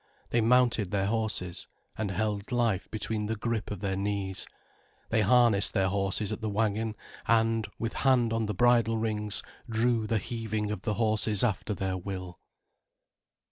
They mounted their horses, and held life between the grip of their knees, they harnessed their horses at the wagon, and, with hand on the bridle rings, drew the heaving of the horses after their will.